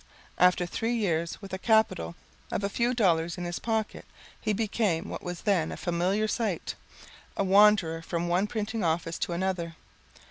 After three years with a capital of a few dollars in his pocket, he became what was then a familiar sight, a wanderer from one printing office to another.